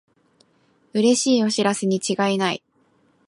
うれしいお知らせにちがいない